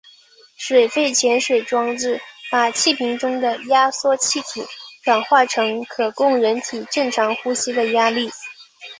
水肺潜水装置把气瓶中的压缩气体转化成可供人体正常呼吸的压力。